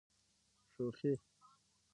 شوخي.